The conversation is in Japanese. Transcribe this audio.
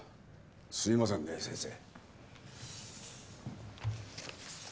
すいませんね先生。